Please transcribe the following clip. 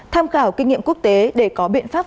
tham khảo kinh nghiệm quốc tế để có biện pháp